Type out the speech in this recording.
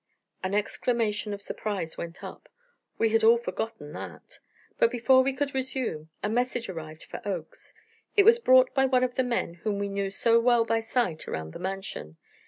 An exclamation of surprise went up. We had all forgotten that. But before we could resume, a message arrived for Oakes. It was brought by one of the men whom we knew so well by sight around the Mansion.